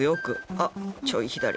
ああちょい左。